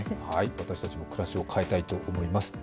私たちも暮らしを変えたいと思います。